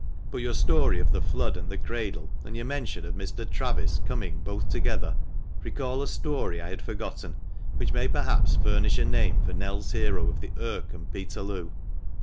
"But your story of the flood and the cradle, and your mention of Mr. Travis, coming both together, recall a story I had forgotten, which may perhaps furnish a name for Nell's hero of the Irk and Peterloo.